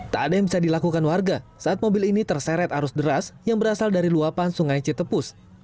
tak ada yang bisa dilakukan warga saat mobil ini terseret arus deras yang berasal dari luapan sungai cetepus